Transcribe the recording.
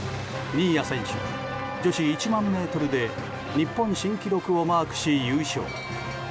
新谷選手は女子１００００ｍで日本新記録をマークし優勝。